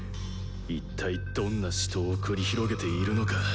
一体どんな死闘を繰り広げているのか。